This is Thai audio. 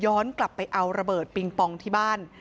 ตัวเองเลยย้อนกลับไปเอาระเบิดปิงปองที่บ้าน